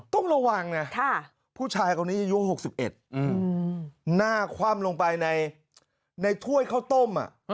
ต้องระวังนะผู้ชายคนนี้อายุ๖๑หน้าคว่ำลงไปในถ้วยข้าวต้ม